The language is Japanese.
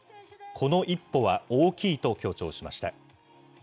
この一歩は大きいと強調しました。